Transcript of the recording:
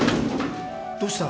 どうした？